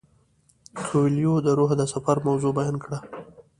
کویلیو د روح د سفر موضوع بیان کړه.